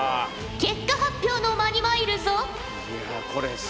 結果発表の間にまいるぞ。